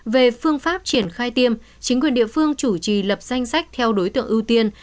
về phương pháp triển khai tiêm chính quyền địa phương chủ trì lập danh sách theo đối tượng ưu tiên